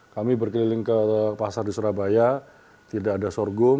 kami berkeliling ke pasar di surabaya tidak ada sorghum